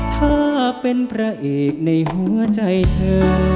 ถ้าเป็นพระเอกในหัวใจเธอ